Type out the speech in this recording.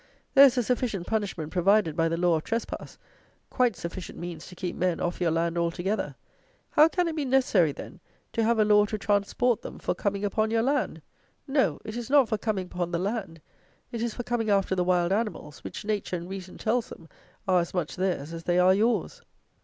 There is a sufficient punishment provided by the law of trespass; quite sufficient means to keep men off your land altogether! how can it be necessary, then, to have a law to transport them for coming upon your land? No, it is not for coming upon the land, it is for coming after the wild animals, which nature and reason tells them, are as much theirs as they are yours.